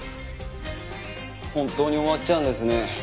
本当に終わっちゃうんですね